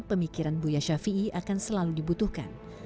pemikiran buya shafi'i akan selalu dibutuhkan